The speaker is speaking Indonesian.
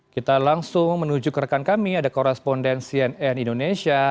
kita langsung menuju ke rekan kami ada koresponden cnn indonesia